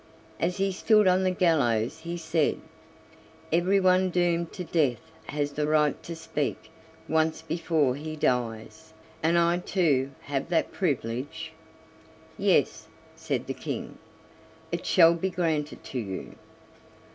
As he stood on the gallows he said: "Every one doomed to death has the right to speak once before he dies; and I too have that privilege?" "Yes," said the King, "it shall be granted to you."